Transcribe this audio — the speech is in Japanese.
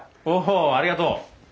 おおありがとう。